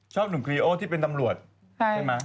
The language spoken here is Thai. ชอบนุงครีโอที่เป็นตำรวจ